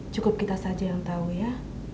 cukup kita saja yang tahu ya